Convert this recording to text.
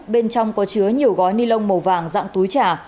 bên trong có chứa nhiều gói ni lông màu vàng dạng túi trà